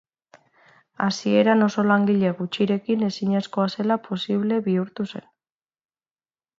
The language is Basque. Hasieran oso langile gutxirekin ezinezkoa zena posible bihurtu zen.